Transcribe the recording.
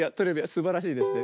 すばらしいですね。